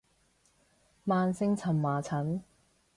慢性蕁麻疹